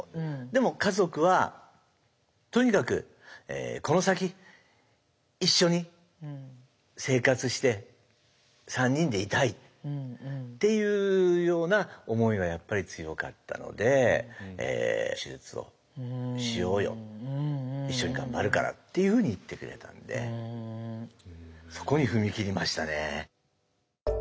でも家族はとにかくこの先一緒に生活して３人でいたいっていうような思いがやっぱり強かったので手術をしようよ一緒に頑張るからっていうふうに言ってくれたんでそこに踏み切りましたね。